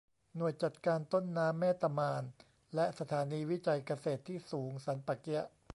หน่วยจัดการต้นน้ำแม่ตะมาน และสถานีวิจัยเกษตรที่สูงสันป่าเกี๊ยะ